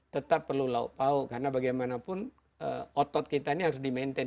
tetap perlu lauk pau karena bagaimanapun otot kita ini harus di maintain